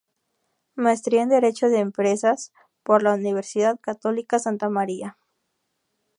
Maestría en derecho de empresas por la Universidad Católica Santa María.